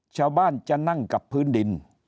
ชาวบ้านจะนั่งกับพื้นดิน